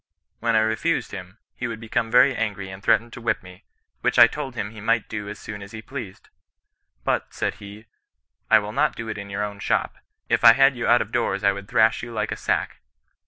When I refused him, he would become very angry and threaten to whip me, which I told him he might do as soon as he pleased. But, said he, ' I will not do it in your own shop ; if I had you out of doors I would thrash you like a sack.'